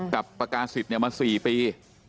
กับประกาศสิทธิ์มาสี่ปี